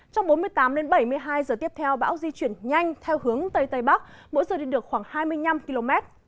trong bốn mươi tám đến bảy mươi hai giờ tiếp theo bão di chuyển nhanh theo hướng tây tây bắc mỗi giờ đi được khoảng hai mươi năm km